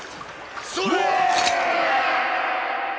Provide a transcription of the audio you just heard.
それ！